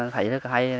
thấy rất là hay